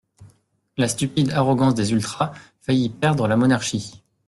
La stupide arrogance des ultras faillit perdre la monarchie!